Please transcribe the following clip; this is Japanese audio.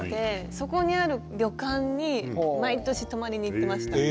そこにある旅館に毎年泊まりに行ってました。